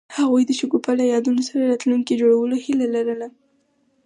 هغوی د شګوفه له یادونو سره راتلونکی جوړولو هیله لرله.